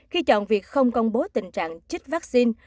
khi chọn việc không công bố tình trạng trích vaccine